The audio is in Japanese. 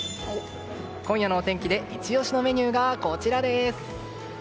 今夜のお天気でイチ押しのメニューがこちらです。